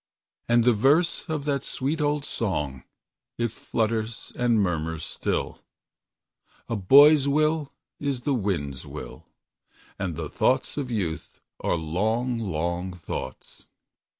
And the verse of that sweet old song, It flutters and murmurs still: "A boy's will is the wind's will, And the thoughts of youth are long, long thoughts."